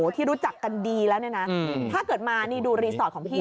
ที่รู้จักกันดีแล้วถ้าเกิดมาดูรีสอร์ตของพี่